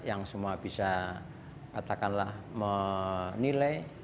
yang semua bisa katakanlah menilai